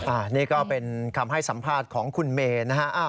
อันนี้ก็เป็นคำให้สัมภาษณ์ของคุณเมย์นะฮะ